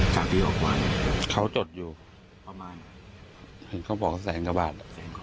จากที่ว่าเขาจดอยู่ประมาณเห็นเขาบอกแสงกระบาดแสงกระบาด